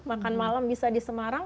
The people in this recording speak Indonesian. makan malam bisa di semarang